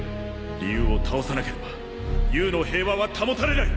竜を倒さなければＵの平和は保たれない！